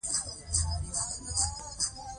تودوخه د ذرو د ټکر په اثر هدایت کیږي.